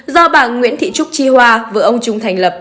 do bà nguyễn thị trúc chi hoa vợ ông trung thành lập